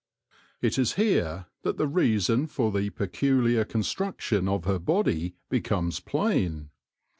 It is here that the reason for the peculiar construction of her body becomes plain.